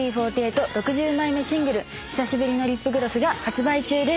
ＡＫＢ４８６０枚目シングル『久しぶりのリップグロス』が発売中です。